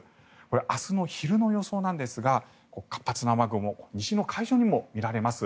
明日の昼の予想なんですが活発な雨雲西の海上にも見られます。